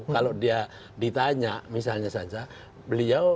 kalau dia ditanya misalnya saja beliau